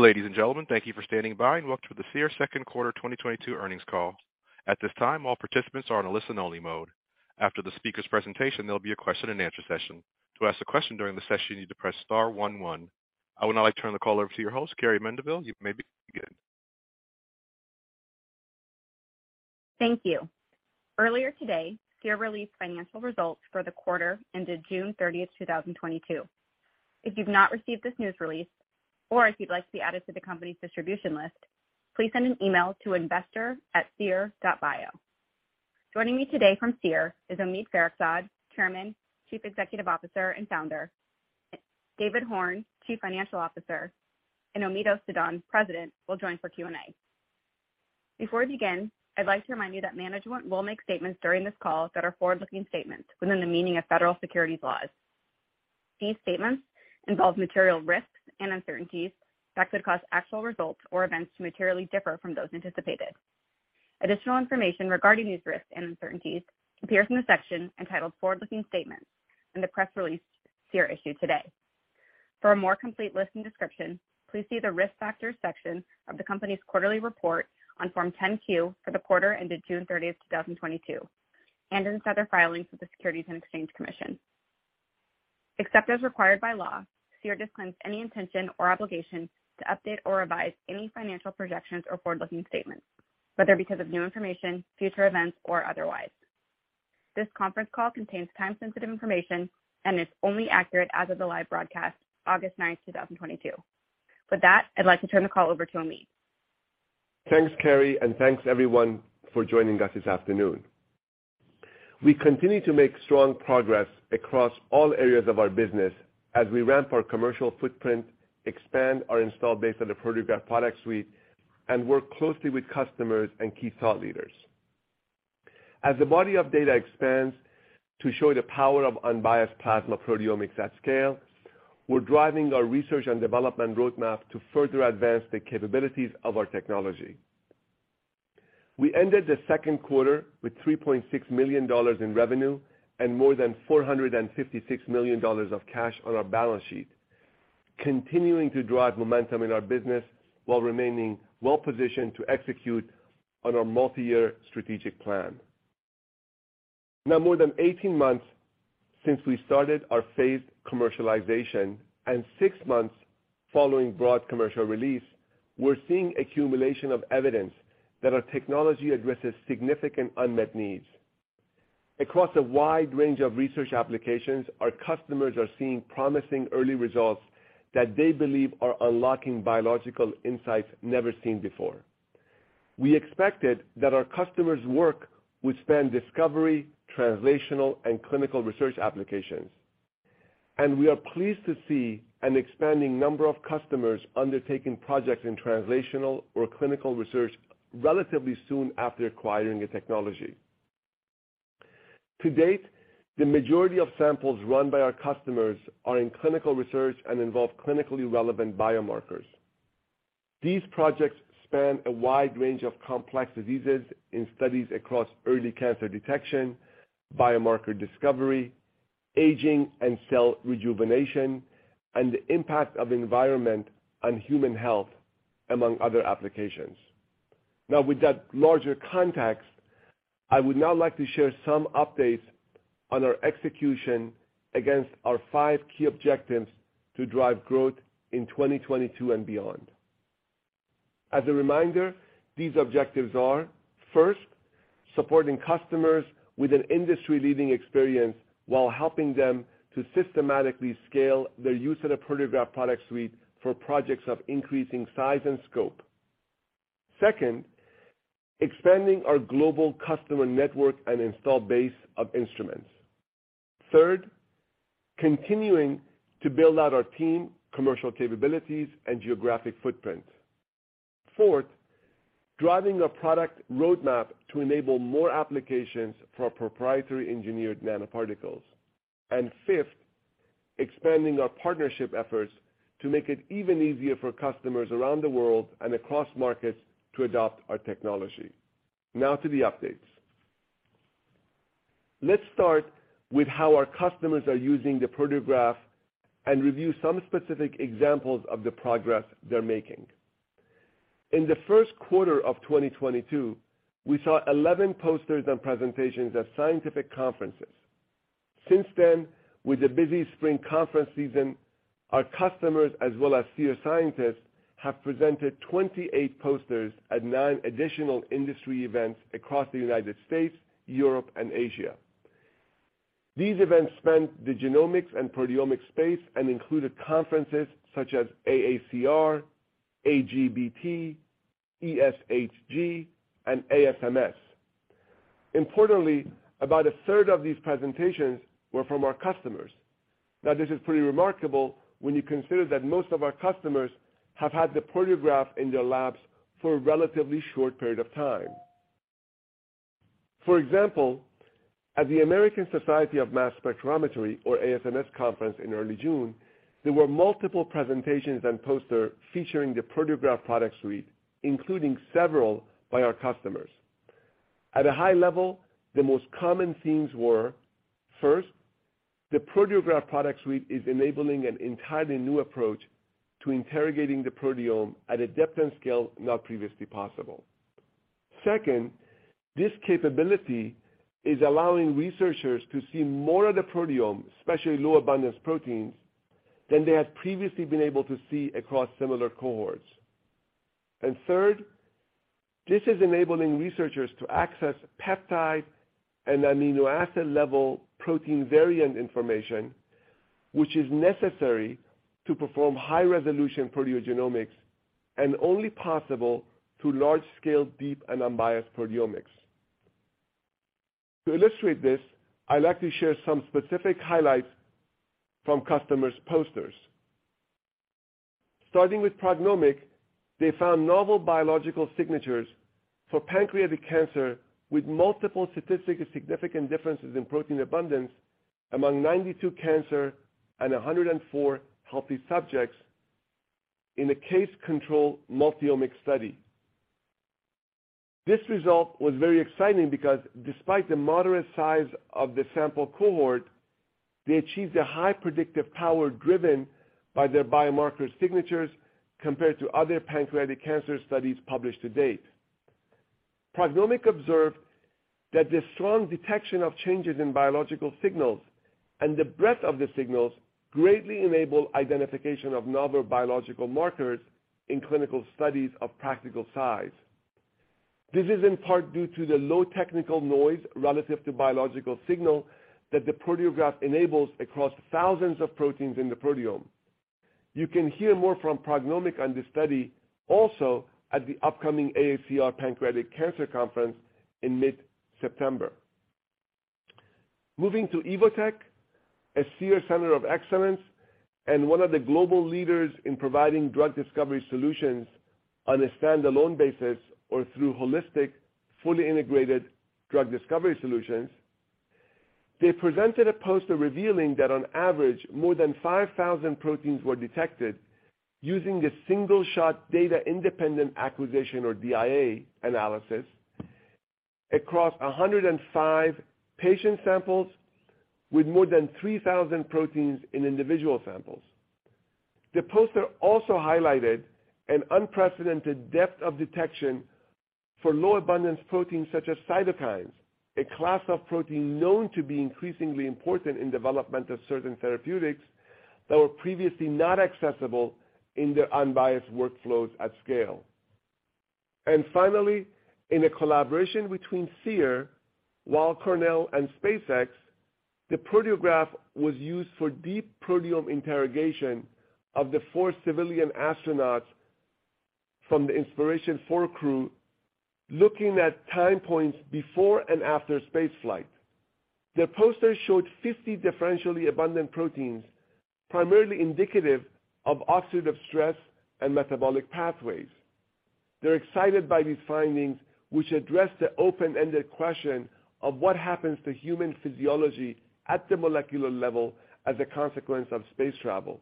Ladies and gentlemen, thank you for standing by, and welcome to the Seer Second Quarter 2022 Earnings Call. At this time, all participants are in a listen only mode. After the speaker's presentation, there'll be a question and answer session. To ask a question during the session, you need to press star one one. I would now like to turn the call over to your host, Carrie Mendivil. You may begin. Thank you. Earlier today, Seer released financial results for the quarter ended June 30, 2022. If you've not received this news release, or if you'd like to be added to the company's distribution list, please send an email to investor@seer.bio. Joining me today from Seer is Omid Farokhzad, Chairman, Chief Executive Officer, and Founder, David Horn, Chief Financial Officer, and Omead Ostadan, President, will join for Q&A. Before we begin, I'd like to remind you that management will make statements during this call that are forward-looking statements within the meaning of federal securities laws. These statements involve material risks and uncertainties that could cause actual results or events to materially differ from those anticipated. Additional information regarding these risks and uncertainties appears in the section entitled Forward-Looking Statements in the press release Seer issued today. For a more complete list and description, please see the Risk Factors section of the company's quarterly report on Form 10-Q for the quarter ended June 30, 2022, and in other filings with the Securities and Exchange Commission. Except as required by law, Seer disclaims any intention or obligation to update or revise any financial projections or forward-looking statements, whether because of new information, future events, or otherwise. This conference call contains time-sensitive information and is only accurate as of the live broadcast August 9, 2022. With that, I'd like to turn the call over to Omid. Thanks, Carrie Mendivil, and thanks everyone for joining us this afternoon. We continue to make strong progress across all areas of our business as we ramp our commercial footprint, expand our installed base of the Proteograph Product Suite, and work closely with customers and key thought leaders. As the body of data expands to show the power of unbiased plasma proteomics at scale, we're driving our research and development roadmap to further advance the capabilities of our technology. We ended the second quarter with $3.6 million in revenue and more than $456 million of cash on our balance sheet, continuing to drive momentum in our business while remaining well-positioned to execute on our multi-year strategic plan. Now, more than 18 months since we started our phased commercialization, and six months following broad commercial release, we're seeing accumulation of evidence that our technology addresses significant unmet needs. Across a wide range of research applications, our customers are seeing promising early results that they believe are unlocking biological insights never seen before. We expected that our customers' work would span discovery, translational, and clinical research applications, and we are pleased to see an expanding number of customers undertaking projects in translational or clinical research relatively soon after acquiring the technology. To date, the majority of samples run by our customers are in clinical research and involve clinically relevant biomarkers. These projects span a wide range of complex diseases in studies across early cancer detection, biomarker discovery, aging and cell rejuvenation, and the impact of environment on human health, among other applications. Now with that larger context, I would now like to share some updates on our execution against our five key objectives to drive growth in 2022 and beyond. As a reminder, these objectives are, first, supporting customers with an industry-leading experience while helping them to systematically scale their use of the Proteograph Product Suite for projects of increasing size and scope. Second, expanding our global customer network and installed base of instruments. Third, continuing to build out our team, commercial capabilities, and geographic footprint. Fourth, driving a product roadmap to enable more applications for our proprietary engineered nanoparticles. And fifth, expanding our partnership efforts to make it even easier for customers around the world and across markets to adopt our technology. Now to the updates. Let's start with how our customers are using the Proteograph and review some specific examples of the progress they're making. In the first quarter of 2022, we saw 11 posters and presentations at scientific conferences. Since then, with the busy spring conference season, our customers, as well as Seer scientists, have presented 28 posters at nine additional industry events across the United States, Europe, and Asia. These events span the genomics and proteomics space and included conferences such as AACR, AGBT, ESHG, and ASMS. Importantly, about a third of these presentations were from our customers. Now, this is pretty remarkable when you consider that most of our customers have had the Proteograph in their labs for a relatively short period of time. For example, at the American Society for Mass Spectrometry, or ASMS conference in early June, there were multiple presentations and poster featuring the Proteograph Product Suite, including several by our customers. At a high level, the most common themes were, first, the Proteograph Product Suite is enabling an entirely new approach to interrogating the proteome at a depth and scale not previously possible. Second, this capability is allowing researchers to see more of the proteome, especially low abundance proteins, than they had previously been able to see across similar cohorts. Third, this is enabling researchers to access peptide and amino acid-level protein variant information, which is necessary to perform high-resolution proteogenomics and only possible through large-scale, deep, and unbiased proteomics. To illustrate this, I'd like to share some specific highlights from customers' posters. Starting with PrognomIQ, they found novel biological signatures for pancreatic cancer with multiple statistically significant differences in protein abundance among 92 cancer and 104 healthy subjects in a case-control multi-omic study. This result was very exciting because despite the moderate size of the sample cohort, they achieved a high predictive power driven by their biomarker signatures compared to other pancreatic cancer studies published to date. PrognomIQ observed that the strong detection of changes in biological signals and the breadth of the signals greatly enable identification of novel biological markers in clinical studies of practical size. This is in part due to the low technical noise relative to biological signal that the Proteograph enables across thousands of proteins in the proteome. You can hear more from PrognomIQ on this study also at the upcoming AACR Pancreatic Cancer Conference in mid-September. Moving to Evotec, a Seer Center of Excellence and one of the global leaders in providing drug discovery solutions on a standalone basis or through holistic, fully integrated drug discovery solutions. They presented a poster revealing that on average, more than 5,000 proteins were detected using the single-shot data independent acquisition or DIA analysis across 105 patient samples with more than 3,000 proteins in individual samples. The poster also highlighted an unprecedented depth of detection for low abundance proteins such as cytokines, a class of protein known to be increasingly important in development of certain therapeutics that were previously not accessible in their unbiased workflows at scale. Finally, in a collaboration between Seer, Weill Cornell, and SpaceX, the Proteograph was used for deep proteome interrogation of the four civilian astronauts from the Inspiration four crew, looking at time points before and after spaceflight. The poster showed 50 differentially abundant proteins, primarily indicative of oxidative stress and metabolic pathways. They're excited by these findings, which address the open-ended question of what happens to human physiology at the molecular level as a consequence of space travel.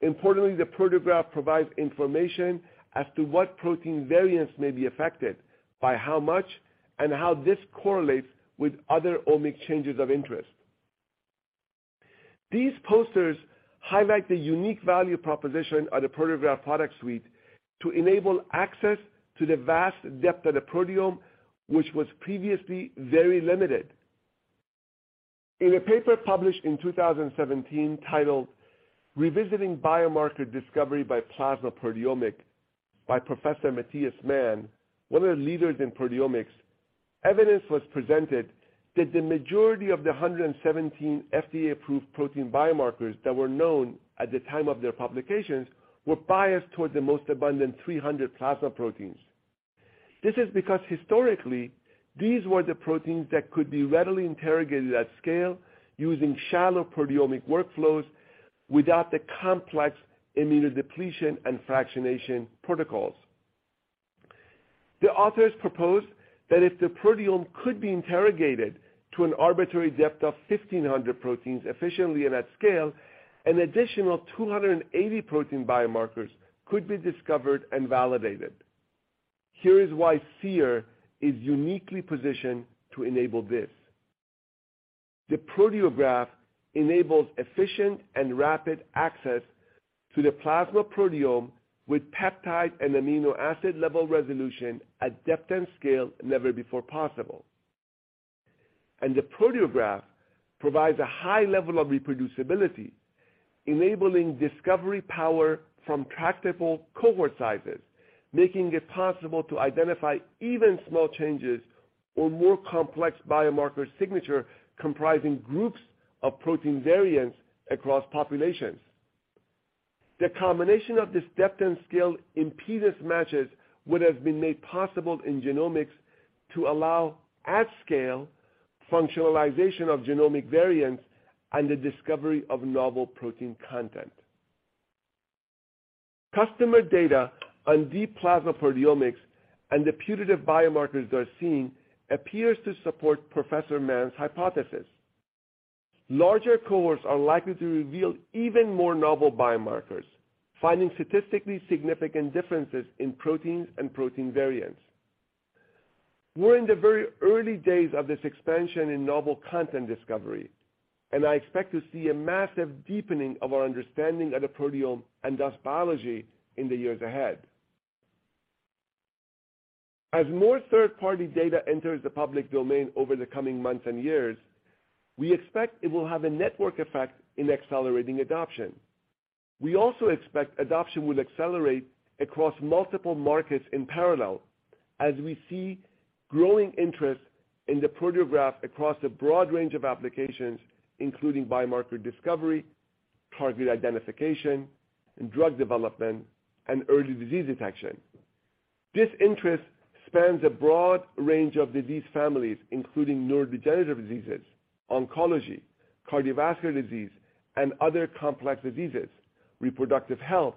Importantly, the Proteograph provides information as to what protein variants may be affected, by how much, and how this correlates with other omic changes of interest. These posters highlight the unique value proposition of the Proteograph Product Suite to enable access to the vast depth of the proteome, which was previously very limited. In a paper published in 2017 titled Revisiting Biomarker Discovery by Plasma Proteomics by Professor Matthias Mann, one of the leaders in proteomics, evidence was presented that the majority of the 117 FDA-approved protein biomarkers that were known at the time of their publications were biased towards the most abundant 300 plasma proteins. This is because historically, these were the proteins that could be readily interrogated at scale using shallow proteomic workflows without the complex immunodepletion and fractionation protocols. The authors propose that if the proteome could be interrogated to an arbitrary depth of 1,500 proteins efficiently and at scale, an additional 280 protein biomarkers could be discovered and validated. Here is why Seer is uniquely positioned to enable this. The Proteograph enables efficient and rapid access to the plasma proteome with peptide and amino acid level resolution at depth and scale never before possible. The Proteograph provides a high level of reproducibility, enabling discovery power from tractable cohort sizes, making it possible to identify even small changes or more complex biomarker signature comprising groups of protein variants across populations. The combination of this depth and scale in PDA samples would have been made possible in genomics to allow at scale functionalization of genomic variants and the discovery of novel protein content. Customer data on deep plasma proteomics and the putative biomarkers they're seeing appears to support Professor Matthias Mann's hypothesis. Larger cohorts are likely to reveal even more novel biomarkers, finding statistically significant differences in proteins and protein variants. We're in the very early days of this expansion in novel content discovery, and I expect to see a massive deepening of our understanding of the proteome and thus biology in the years ahead. As more third-party data enters the public domain over the coming months and years, we expect it will have a network effect in accelerating adoption. We also expect adoption will accelerate across multiple markets in parallel as we see growing interest in the Proteograph across a broad range of applications, including biomarker discovery, target identification, and drug development, and early disease detection. This interest spans a broad range of disease families, including neurodegenerative diseases, oncology, cardiovascular disease, and other complex diseases, reproductive health,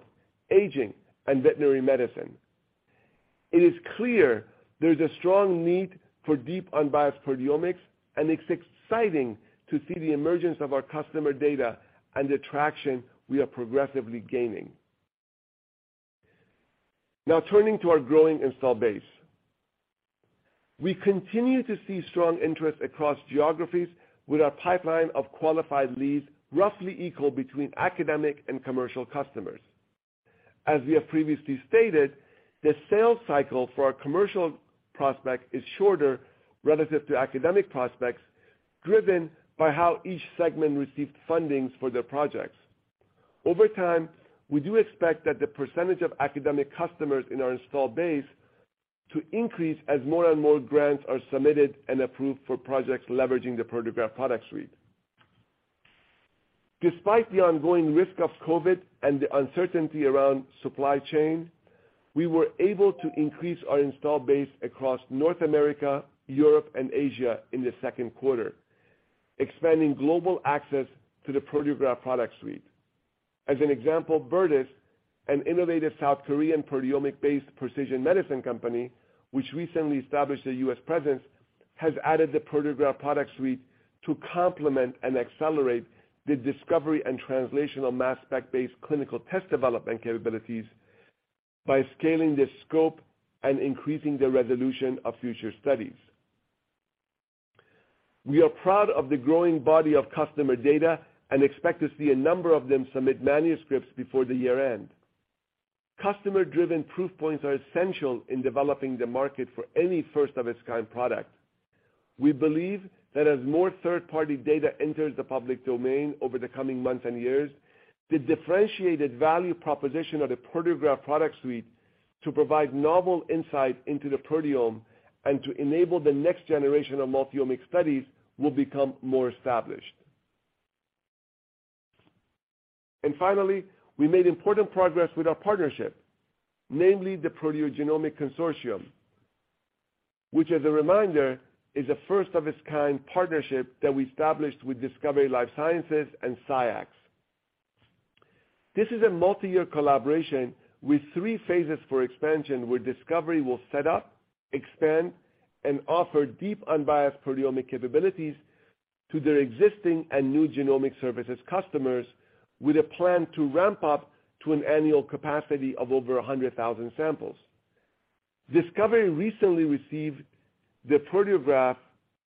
aging, and veterinary medicine. It is clear there's a strong need for deep unbiased proteomics, and it's exciting to see the emergence of our customer data and the traction we are progressively gaining. Now turning to our growing install base. We continue to see strong interest across geographies with our pipeline of qualified leads roughly equal between academic and commercial customers. As we have previously stated, the sales cycle for our commercial prospect is shorter relative to academic prospects, driven by how each segment received fundings for their projects. Over time, we do expect that the percentage of academic customers in our install base to increase as more and more grants are submitted and approved for projects leveraging the Proteograph Product Suite. Despite the ongoing risk of COVID and the uncertainty around supply chain, we were able to increase our install base across North America, Europe, and Asia in the second quarter, expanding global access to the Proteograph Product Suite. As an example, Bertis, an innovative South Korean proteomics-based precision medicine company, which recently established a U.S. presence, has added the Proteograph Product Suite to complement and accelerate the discovery and translational mass spec-based clinical test development capabilities by scaling the scope and increasing the resolution of future studies. We are proud of the growing body of customer data and expect to see a number of them submit manuscripts before the year-end. Customer-driven proof points are essential in developing the market for any first-of-its-kind product. We believe that as more third-party data enters the public domain over the coming months and years, the differentiated value proposition of the Proteograph Product Suite to provide novel insight into the proteome and to enable the next generation of multi-omic studies will become more established. Finally, we made important progress with our partnership, namely the Proteogenomics Consortium, which, as a reminder, is a first-of-its-kind partnership that we established with Discovery Life Sciences and SCIEX. This is a multi-year collaboration with three phases for expansion, where Discovery will set up, expand, and offer deep, unbiased proteomic capabilities to their existing and new genomic services customers with a plan to ramp up to an annual capacity of over 100,000 samples. Discovery recently received the Proteograph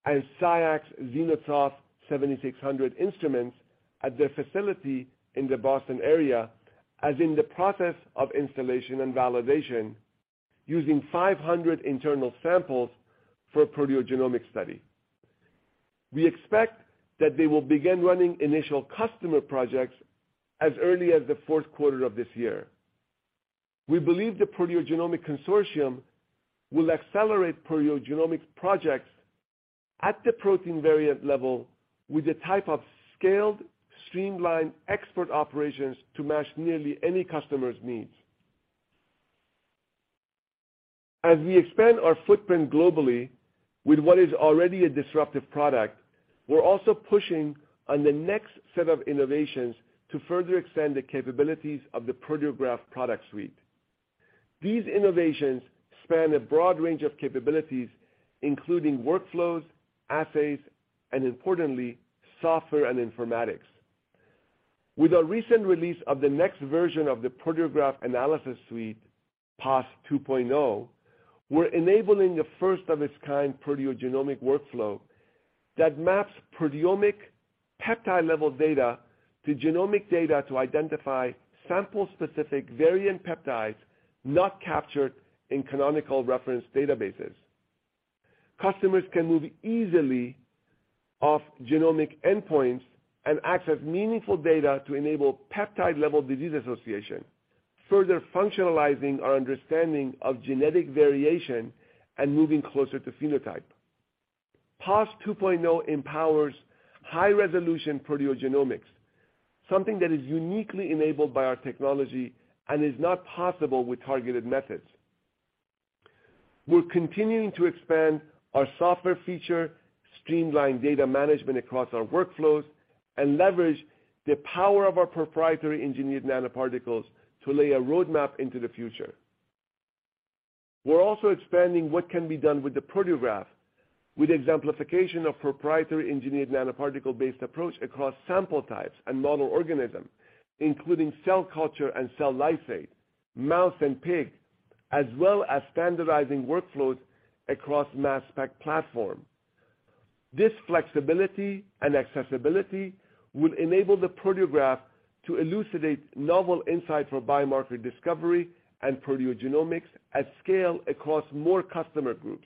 and SCIEX ZenoTOF 7600 instruments at their facility in the Boston area, and is in the process of installation and validation, using 500 internal samples for a proteogenomics study. We expect that they will begin running initial customer projects as early as the fourth quarter of this year. We believe the Proteogenomics Consortium will accelerate proteogenomics projects at the protein variant level with a type of scaled, streamlined expert operations to match nearly any customer's needs. As we expand our footprint globally with what is already a disruptive product, we're also pushing on the next set of innovations to further extend the capabilities of the Proteograph Product Suite. These innovations span a broad range of capabilities, including workflows, assays, and importantly, software and informatics. With our recent release of the next version of the Proteograph Analysis Suite, PAS 2.0, we're enabling a first-of-its-kind proteogenomics workflow that maps proteomic peptide-level data to genomic data to identify sample-specific variant peptides not captured in canonical reference databases. Customers can move easily off genomic endpoints and access meaningful data to enable peptide-level disease association, further functionalizing our understanding of genetic variation and moving closer to phenotype. PAS 2.0 empowers high-resolution proteogenomics, something that is uniquely enabled by our technology and is not possible with targeted methods. We're continuing to expand our software feature, streamline data management across our workflows, and leverage the power of our proprietary engineered nanoparticles to lay a roadmap into the future. We're also expanding what can be done with the Proteograph with exemplification of proprietary engineered nanoparticle-based approach across sample types and model organisms, including cell culture and cell lysate, mouse and pig, as well as standardizing workflows across mass spec platform. This flexibility and accessibility will enable the Proteograph to elucidate novel insight for biomarker discovery and proteogenomics at scale across more customer groups.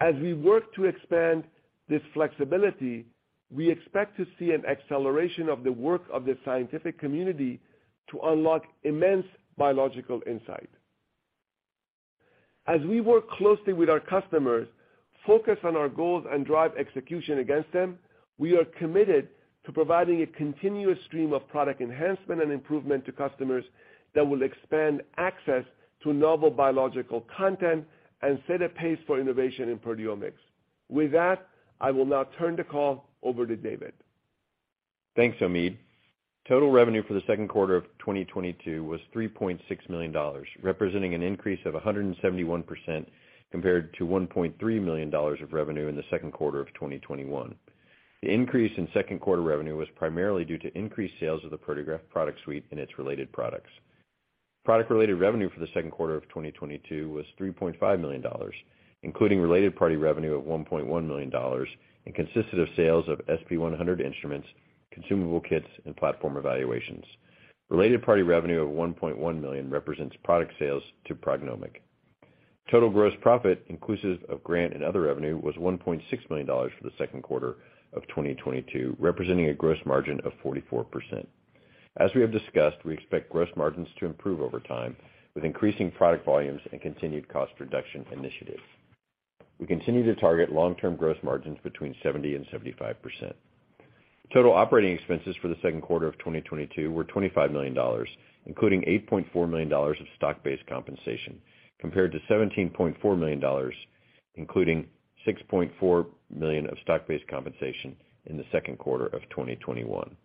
As we work to expand this flexibility, we expect to see an acceleration of the work of the scientific community to unlock immense biological insight. As we work closely with our customers, focus on our goals, and drive execution against them, we are committed to providing a continuous stream of product enhancement and improvement to customers that will expand access to novel biological content and set a pace for innovation in proteomics. With that, I will now turn the call over to David. Thanks, Omid. Total revenue for the second quarter of 2022 was $3.6 million, representing an increase of 171% compared to $1.3 million of revenue in the second quarter of 2021. The increase in second quarter revenue was primarily due to increased sales of the Proteograph Product Suite and its related products. Product-related revenue for the second quarter of 2022 was $3.5 million, including related party revenue of $1.1 million, and consisted of sales of SP100 instruments, consumable kits, and platform evaluations. Related party revenue of $1.1 million represents product sales to PrognomIQ. Total gross profit, inclusive of grant and other revenue, was $1.6 million for the second quarter of 2022, representing a gross margin of 44%. As we have discussed, we expect gross margins to improve over time with increasing product volumes and continued cost reduction initiatives. We continue to target long-term gross margins between 70% and 75%. Total operating expenses for the second quarter of 2022 were $25 million, including $8.4 million of stock-based compensation, compared to $17.4 million, including $6.4 million of stock-based compensation in the second quarter of 2021.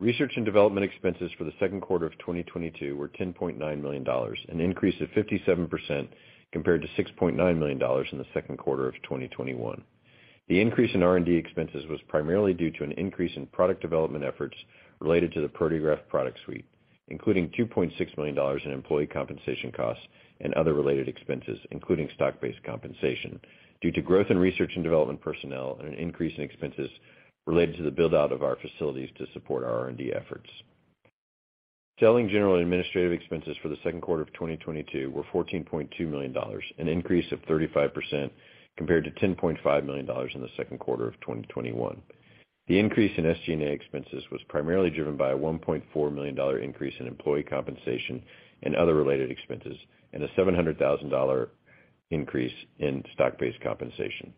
Research and development expenses for the second quarter of 2022 were $10.9 million, an increase of 57% compared to $6.9 million in the second quarter of 2021. The increase in R&D expenses was primarily due to an increase in product development efforts related to the Proteograph Product Suite, including $2.6 million in employee compensation costs and other related expenses, including stock-based compensation, due to growth in research and development personnel and an increase in expenses related to the build-out of our facilities to support our R&D efforts. Selling, general, and administrative expenses for the second quarter of 2022 were $14.2 million, an increase of 35% compared to $10.5 million in the second quarter of 2021. The increase in SG&A expenses was primarily driven by a $1.4 million increase in employee compensation and other related expenses, and a $700 thousand increase in stock-based compensation.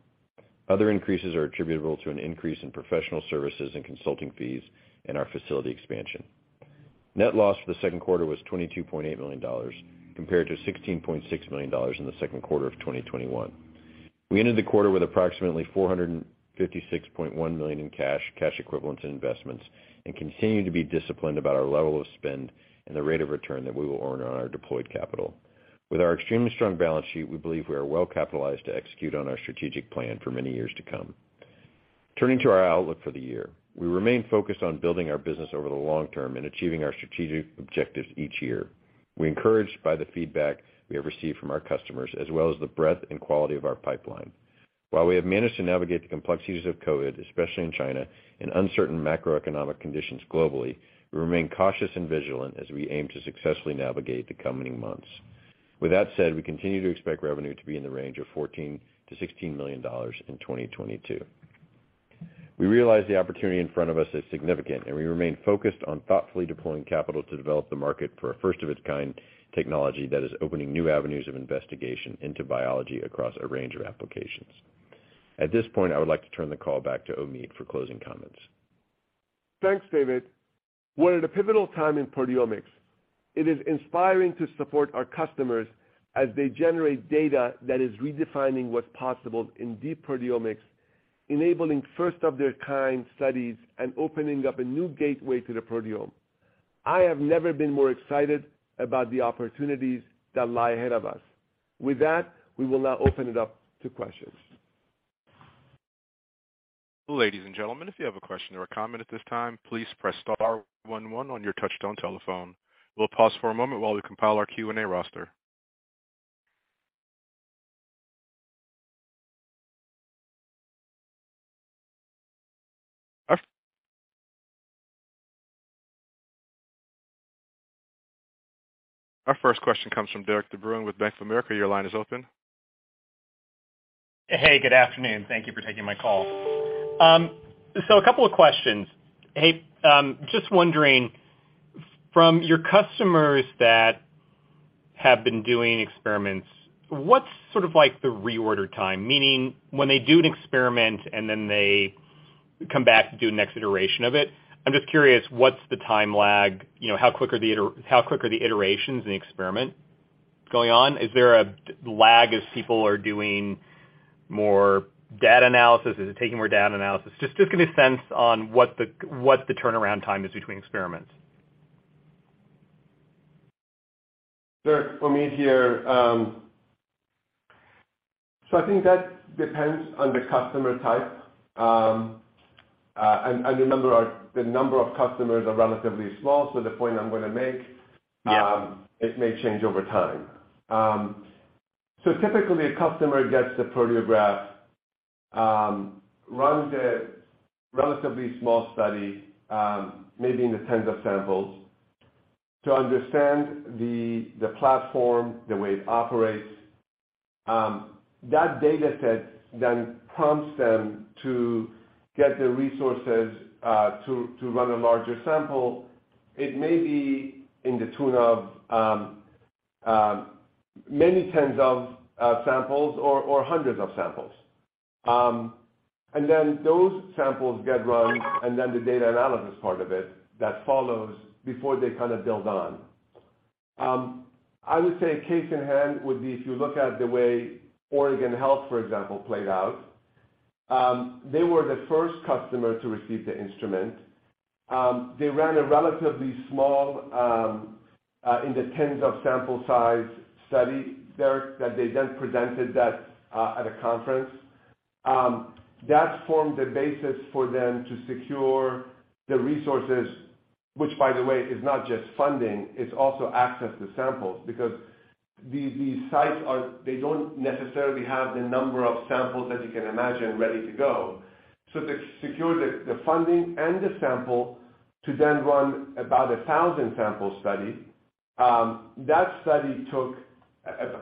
Other increases are attributable to an increase in professional services and consulting fees and our facility expansion. Net loss for the second quarter was $22.8 million, compared to $16.6 million in the second quarter of 2021. We ended the quarter with approximately $456.1 million in cash equivalents, and investments and continue to be disciplined about our level of spend and the rate of return that we will earn on our deployed capital. With our extremely strong balance sheet, we believe we are well-capitalized to execute on our strategic plan for many years to come. Turning to our outlook for the year. We remain focused on building our business over the long term and achieving our strategic objectives each year. We're encouraged by the feedback we have received from our customers as well as the breadth and quality of our pipeline. While we have managed to navigate the complexities of COVID, especially in China, and uncertain macroeconomic conditions globally, we remain cautious and vigilant as we aim to successfully navigate the coming months. With that said, we continue to expect revenue to be in the range of $14 million-$16 million in 2022. We realize the opportunity in front of us is significant, and we remain focused on thoughtfully deploying capital to develop the market for a first of its kind technology that is opening new avenues of investigation into biology across a range of applications. At this point, I would like to turn the call back to Omid for closing comments. Thanks, David. We're at a pivotal time in proteomics. It is inspiring to support our customers as they generate data that is redefining what's possible in deep proteomics, enabling first of their kind studies and opening up a new gateway to the proteome. I have never been more excited about the opportunities that lie ahead of us. With that, we will now open it up to questions. Ladies and gentlemen, if you have a question or a comment at this time, please press star one one on your touchtone telephone. We'll pause for a moment while we compile our Q&A roster. Our first question comes from Derik De Bruin with Bank of America. Your line is open. Hey, good afternoon. Thank you for taking my call. So a couple of questions. Hey, just wondering from your customers that have been doing experiments, what's sort of like the reorder time? Meaning when they do an experiment, and then they come back to do the next iteration of it, I'm just curious, what's the time lag? You know, how quick are the iterations in the experiment going on? Is there a data lag as people are doing more data analysis, is it taking more data analysis? Just give me a sense on what the turnaround time is between experiments. Sure. Omid here. I think that depends on the customer type. Remember the number of customers are relatively small, so the point I'm gonna make. Yeah It may change over time. Typically a customer gets a Proteograph, runs a relatively small study, maybe in the tens of samples to understand the platform, the way it operates. That data set then prompts them to get the resources to run a larger sample. It may be to the tune of many tens of samples or hundreds of samples. Then those samples get run, and then the data analysis part of it that follows before they kind of build on. I would say a case in point would be if you look at the way Oregon Health, for example, played out. They were the first customer to receive the instrument. They ran a relatively small, in the tens of sample size study, Derik, that they then presented at a conference. That formed the basis for them to secure the resources, which by the way is not just funding, it's also access to samples. Because the sites are, they don't necessarily have the number of samples that you can imagine ready to go. To secure the funding and the sample to then run about a 1,000-sample study, that study took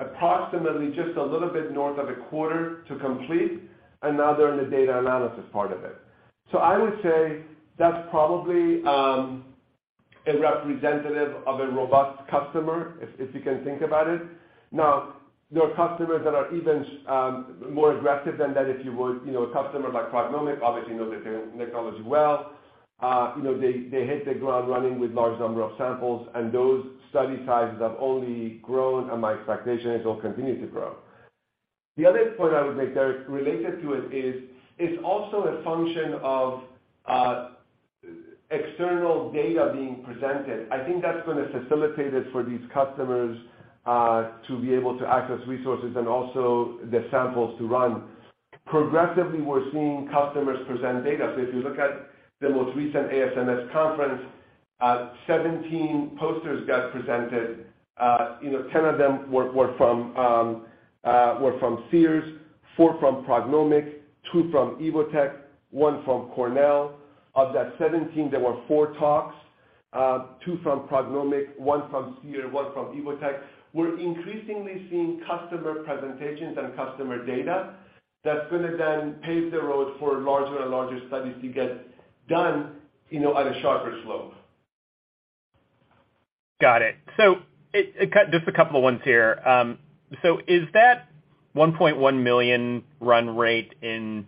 approximately just a little bit north of a quarter to complete, another in the data analysis part of it. I would say that's probably a representative of a robust customer, if you can think about it. Now, there are customers that are even more aggressive than that if you would. You know, a customer like PrognomIQ obviously knows their technology well. You know, they hit the ground running with large number of samples, and those study sizes have only grown, and my expectation is they'll continue to grow. The other point I would make, Derik, related to it is it's also a function of external data being presented. I think that's gonna facilitate it for these customers to be able to access resources and also the samples to run. Progressively, we're seeing customers present data. If you look at the most recent ASMS conference, 17 posters got presented. You know, 10 of them were from Seer, four from PrognomIQ, two from Evotec, one from Cornell. Of that 17, there were four talks, two from PrognomIQ, one from Seer, one from Evotec. We're increasingly seeing customer presentations and customer data that's gonna then pave the road for larger and larger studies to get done, you know, at a sharper slope. Got it. Just a couple of ones here. Is that $1.1 million run rate in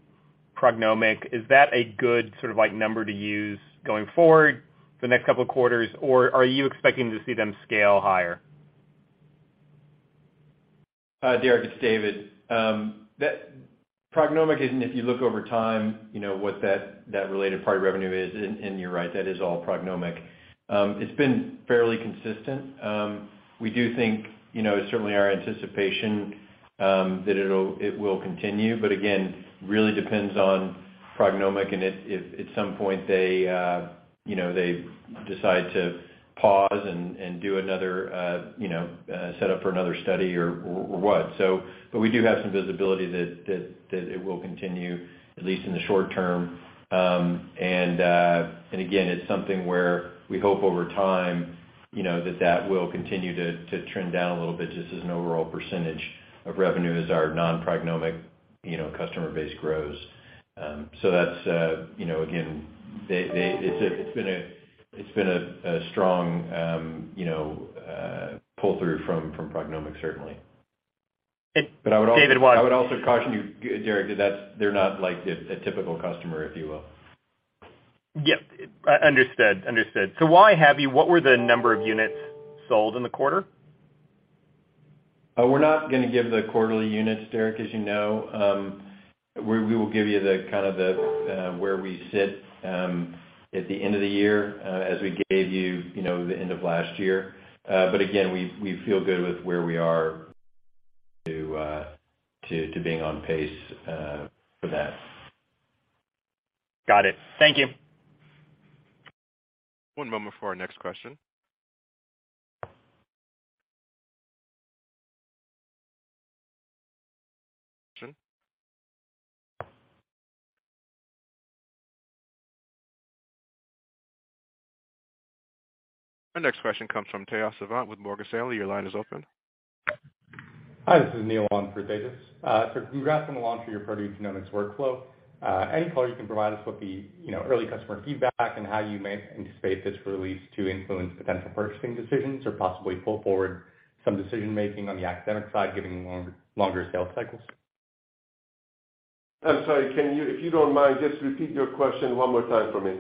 PrognomIQ, is that a good sort of like number to use going forward the next couple of quarters, or are you expecting to see them scale higher? Derik, it's David. That PrognomIQ is, and if you look over time, you know, what that related party revenue is, and you're right, that is all PrognomIQ. It's been fairly consistent. We do think, you know, certainly our anticipation that it will continue, but again, really depends on PrognomIQ and at, if at some point they, you know, they decide to pause and do another, you know, set up for another study or what. We do have some visibility that it will continue at least in the short term. Again, it's something where we hope over time, you know, that will continue to trend down a little bit just as an overall percentage of revenue as our non-PrognomIQ, you know, customer base grows. That's, you know, again, they. It's been a strong, you know, pull-through from PrognomIQ, certainly. David, one- I would also caution you, Derik, that that's, they're not like a typical customer, if you will. Yeah. Understood. What were the number of units sold in the quarter? We're not gonna give the quarterly units, Derik, as you know. We will give you where we sit at the end of the year, as we gave you know, the end of last year. Again, we feel good with where we are to being on pace for that. Got it. Thank you. One moment for our next question. Our next question comes from Tejas Savant with Morgan Stanley. Your line is open. Hi, this is Neil I'm sorry, can you, if you don't mind, just repeat your question one more time for me.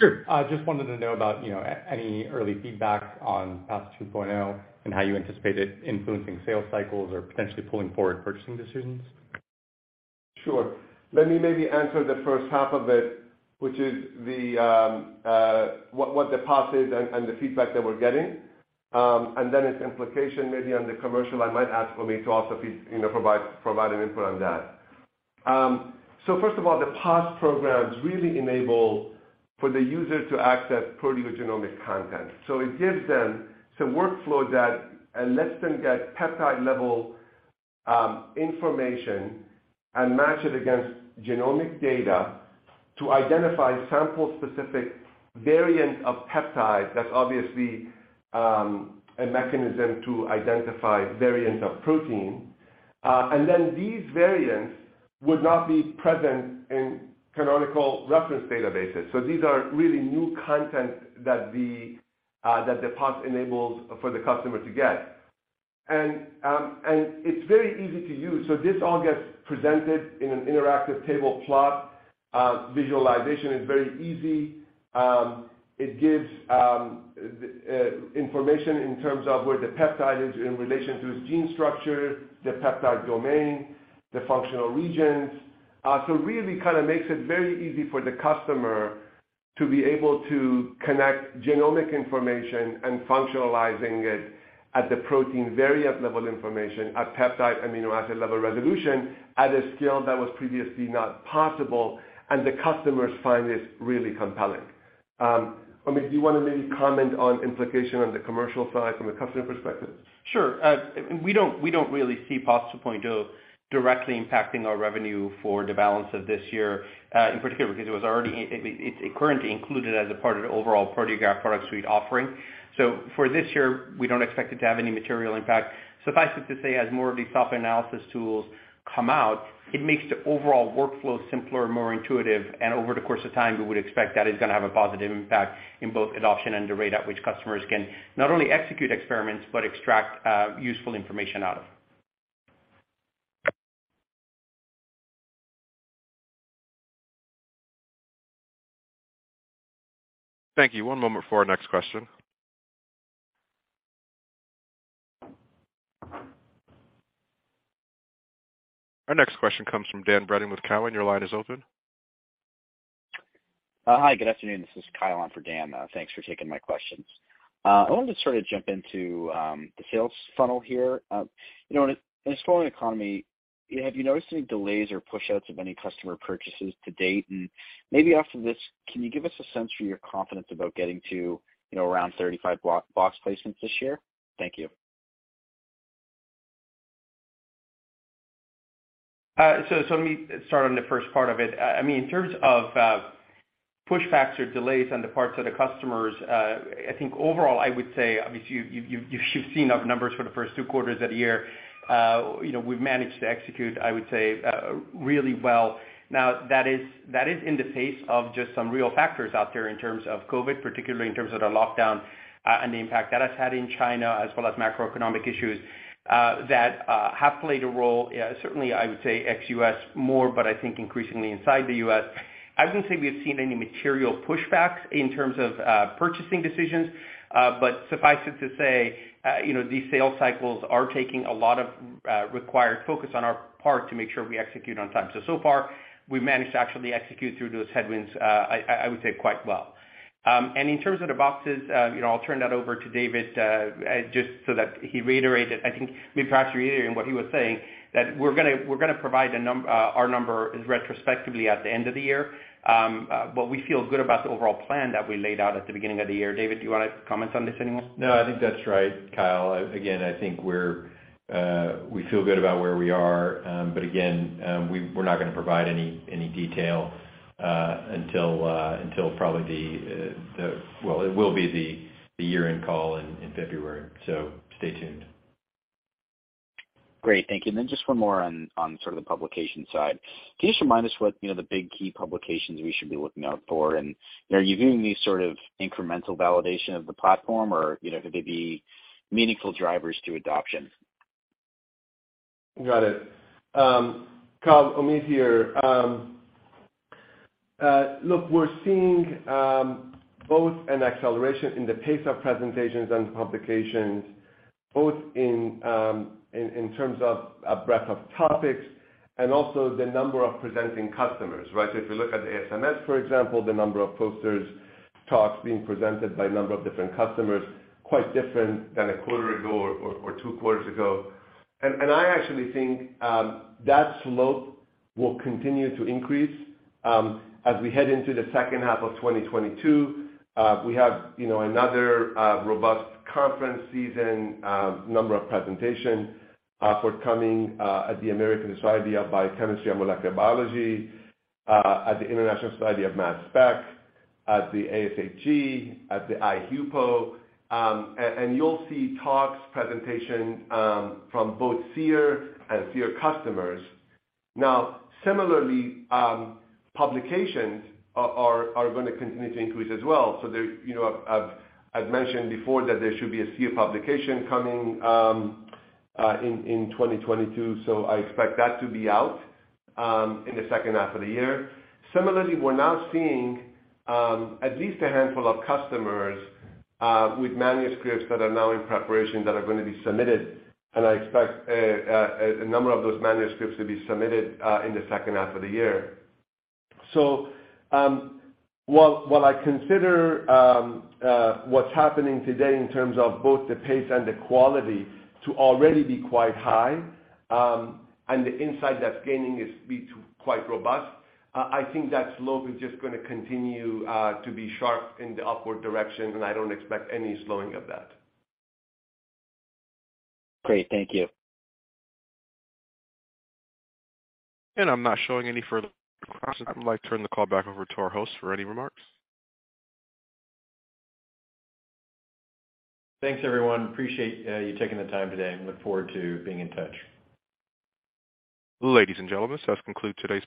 Sure. I just wanted to know about, you know, any early feedback on PAS 2.0 and how you anticipate it influencing sales cycles or potentially pulling forward purchasing decisions? Sure. Let me maybe answer the first half of it, which is what the PAS is and the feedback that we're getting, and then its implication maybe on the commercial. I might ask for me to also you know provide an input on that. First of all, the PAS programs really enable for the user to access proteogenomic content. It gives them some workflow that lets them get peptide-level information and match it against genomic data to identify sample-specific variants of peptides. That's obviously a mechanism to identify variants of protein. Then these variants would not be present in canonical reference databases. These are really new content that the PAS enables for the customer to get. It's very easy to use. This all gets presented in an interactive table plot. Visualization is very easy. It gives information in terms of where the peptide is in relation to its gene structure, the peptide domain, the functional regions. It really kind of makes it very easy for the customer to be able to connect genomic information and functionalizing it at the protein variant level information, at peptide amino acid level resolution at a scale that was previously not possible, and the customers find this really compelling. Amit, do you wanna maybe comment on implication on the commercial side from a customer perspective? Sure. We don't really see PAS 2.0 directly impacting our revenue for the balance of this year, in particular, because it's currently included as a part of the overall Proteograph Product Suite offering. For this year, we don't expect it to have any material impact. Suffice it to say, as more of these software analysis tools come out, it makes the overall workflow simpler and more intuitive. Over the course of time, we would expect that is gonna have a positive impact in both adoption and the rate at which customers can not only execute experiments, but extract useful information out of them. Thank you. One moment for our next question. Our next question comes from Dan Brennan with Cowen. Your line is open. Hi, good afternoon. This is Kyle on for Dan. Thanks for taking my questions. I wanted to sort of jump into the sales funnel here. You know, in a slowing economy, have you noticed any delays or pushouts of any customer purchases to date? Maybe off of this, can you give us a sense for your confidence about getting to, you know, around 35 box placements this year? Thank you. Let me start on the first part of it. I mean, in terms of pushbacks or delays on the parts of the customers, I think overall, I would say, obviously, you've seen our numbers for the first two quarters of the year. You know, we've managed to execute, I would say, really well. Now, that is in the face of just some real factors out there in terms of COVID, particularly in terms of the lockdown, and the impact that has had in China, as well as macroeconomic issues, that have played a role. Certainly, I would say ex-US more, but I think increasingly inside the US. I wouldn't say we've seen any material pushback in terms of purchasing decisions, but suffice it to say, you know, these sales cycles are taking a lot of required focus on our part to make sure we execute on time. So far, we've managed to actually execute through those headwinds. I would say quite well. In terms of the boxes, you know, I'll turn that over to David, just so that he reiterates it. I think maybe perhaps reiterating what he was saying, that we're gonna provide our number retrospectively at the end of the year. We feel good about the overall plan that we laid out at the beginning of the year. David, do you wanna comment on this anymore? No, I think that's right, Kyle. Again, I think we feel good about where we are. But again, we're not gonna provide any detail until probably the year-end call in February. Well, it will be the year-end call in February. Stay tuned. Great. Thank you. Then just one more on sort of the publication side. Can you just remind us what, you know, the big key publications we should be looking out for? You know, are you viewing these sort of incremental validation of the platform or, you know, could they be meaningful drivers to adoption? Got it. Kyle, Amit here. Look, we're seeing both an acceleration in the pace of presentations and publications, both in terms of a breadth of topics and also the number of presenting customers, right? If you look at the ASMS, for example, the number of posters, talks being presented by a number of different customers, quite different than a quarter ago or two quarters ago. I actually think that slope will continue to increase as we head into the second half of 2022. We have, you know, another robust conference season, number of presentation forthcoming at the American Society of Biochemistry and Molecular Biology, at the International Society of Mass Spectrometry, at the AGBT, at the HUPO. You'll see talks, presentation from both Seer and Seer customers. Now, similarly, publications are gonna continue to increase as well. There, you know, I've mentioned before that there should be a Seer publication coming in 2022, so I expect that to be out in the H2 of the year. Similarly, we're now seeing at least a handful of customers with manuscripts that are now in preparation that are gonna be submitted, and I expect a number of those manuscripts to be submitted in the H2 of the year. While I consider what's happening today in terms of both the pace and the quality to already be quite high, and the insights that are gaining speed are quite robust. I think that slope is just gonna continue to be sharp in the upward direction, and I don't expect any slowing of that. Great. Thank you. I'm not showing any further questions. I would like to turn the call back over to our host for any remarks. Thanks, everyone. Appreciate, you taking the time today and look forward to being in touch. Ladies and gentlemen, this does conclude today's.